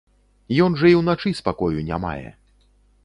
Ён жа і ўначы спакою не мае.